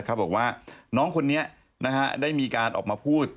บอกว่าน้องคนนี้ได้มีการออกมาพูด